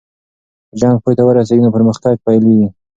که جنګ پای ته ورسیږي نو پرمختګ پیلیږي.